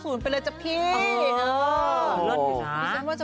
อ๋อเหลือดเห็นค่ะ